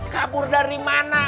kabur dari mana